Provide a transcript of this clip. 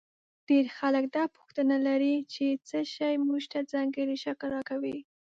ډېر خلک دا پوښتنه لري چې څه شی موږ ته ځانګړی شکل راکوي.